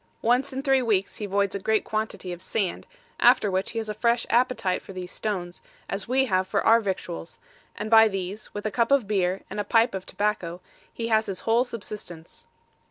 Once in three weeks he voids a great quantity of sand, after which he has a fresh appetite for these stones, as we have for our victuals, and by these, with a cup of beer, and a pipe of tobacco, he has his whole subsistence.